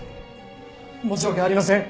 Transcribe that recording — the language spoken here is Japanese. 申し訳ありません！